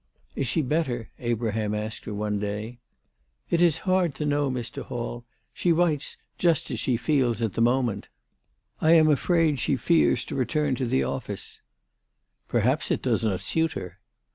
" Is she better ?" Abraham asked her one day. "It is hard to know, Mr. Hall. She writes just as 294 THE TELEGEAPH GIRL. she feels at the moment. I am afraid she fears to return to the office/' " Perhaps it does not suit her."